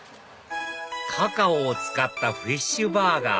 カカオを使ったフィッシュバーガー